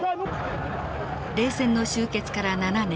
冷戦の終結から７年。